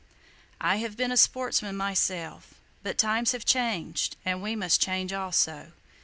I have been a sportsman myself; but times have changed, and we must change also.